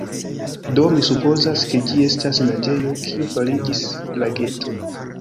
Do, mi supozas, ke ĝi estis naĝejo kiu fariĝis lageto.